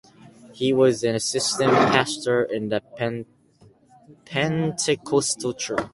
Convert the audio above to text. He was an assistant pastor in the Pentecostal Church.